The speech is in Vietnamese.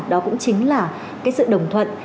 đó cũng chính là cái sự đồng thuận